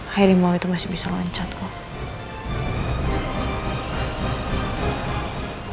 hai rimo masih bisa loncat kok